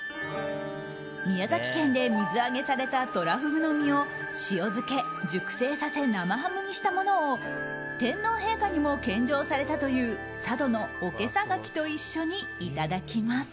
宮崎県で水揚げされたトラフグの身を塩漬け、熟成させ生ハムにしたものを天皇陛下にも献上されたという佐渡のおけさ柿と一緒にいただきます。